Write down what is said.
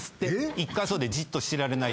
１カ所でじっとしてられない。